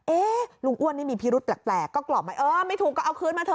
ลุงอ้วนนี่มีพิรุษแปลกก็กล่อมมาเออไม่ถูกก็เอาคืนมาเถ